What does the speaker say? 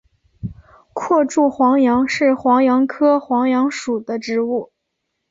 阔柱黄杨是黄杨科黄杨属的植物。